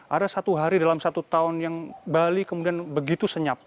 ada satu hari dalam satu tahun yang bali kemudian begitu senyap